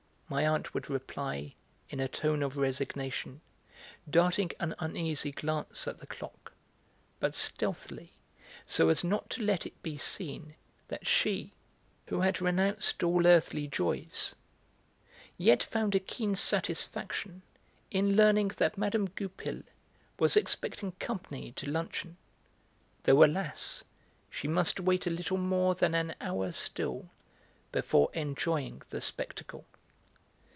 my aunt would reply in a tone of resignation, darting an uneasy glance at the clock, but stealthily, so as not to let it be seen that she, who had renounced all earthly joys, yet found a keen satisfaction in learning that Mme. Goupil was expecting company to luncheon, though, alas, she must wait a little more than an hour still before enjoying the spectacle.